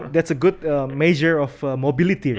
itu adalah peringkat yang baik untuk mobilitas bukan